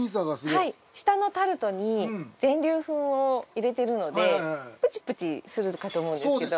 はい下のタルトに全粒粉を入れてるのでプチプチするかと思うんですけど。